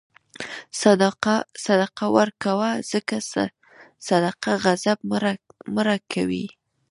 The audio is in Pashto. صدقه ورکوه، ځکه صدقه غضب مړه کوي.